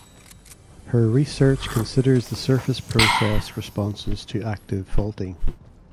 Her research considers the surface process responses to active faulting.